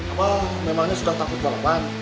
apa memangnya sudah takut balapan